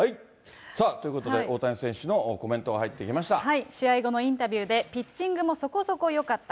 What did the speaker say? さあ、ということで大谷選手試合後のインタビューで、ピッチングもそこそこよかった。